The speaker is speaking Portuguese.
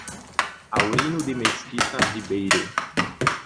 Aurino de Mesquita Ribeiro